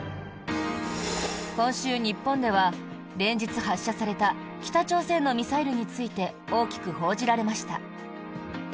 今週、日本では連日発射された北朝鮮のミサイルについて大きく報じられました。